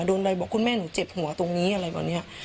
โดนอะไรบอกคุณแม่หนูเจ็บหัวตรงนี้อะไรแบบนี้